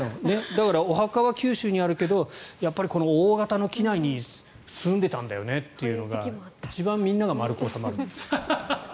だからお墓は九州にあるけどこの大型の畿内に住んでいたんだよねというのが一番みんなが丸く収まる。